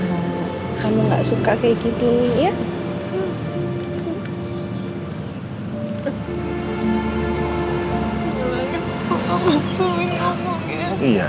kamu gak suka kayak gini